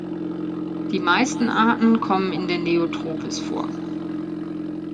Die meisten Arten kommen in der Neotropis vor.